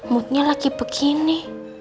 moodnya lagi begini